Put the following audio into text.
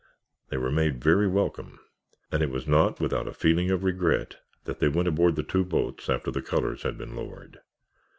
They were made very welcome and it was not without a feeling of regret that they went aboard the two boats after the colors had been lowered.